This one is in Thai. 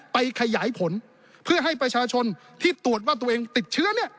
ขยายผลเพื่อให้ประชาชนที่ตรวจว่าตัวเองติดเชื้อเนี่ย